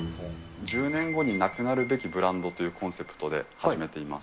１０年後になくなるべきブランドというコンセプトで始めています。